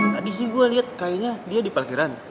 tadi sih gue liat kayaknya dia di palgiran